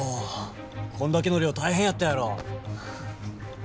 こんだけの量大変やったやろ。